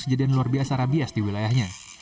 kejadian luar biasa rabies di wilayahnya